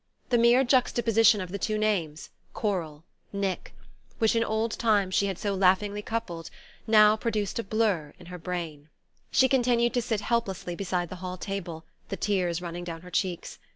The mere juxtaposition of the two names Coral, Nick which in old times she had so often laughingly coupled, now produced a blur in her brain. She continued to sit helplessly beside the hall table, the tears running down her cheeks.